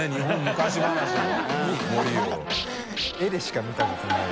絵でしか見たことない。